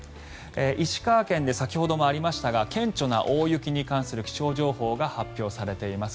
石川県で先ほどもありましたが顕著な大雪に関する気象情報が発表されています。